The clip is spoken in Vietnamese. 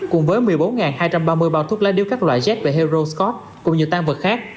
cùng với một mươi bốn hai trăm ba mươi bao thuốc lá điếu các loại z về hero scott cùng nhiều tan vật khác